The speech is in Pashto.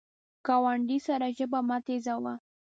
ګاونډي سره ژبه مه تیزوه